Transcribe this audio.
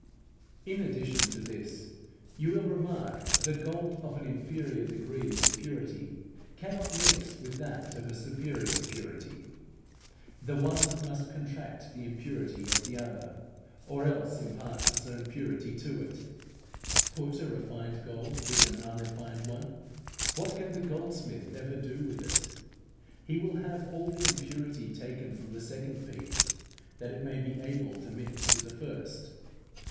In addition to this, you will remark that gold of an inferior degree of purity cannot mix with that of a superior purity. The one must contract the impurity of the other, or else impart its own purity to it. Put a refined gold with an unrefined one, what can the goldsmith ever do with it? He will have all the impurity taken from the second piece, that it may be able to mix with the first.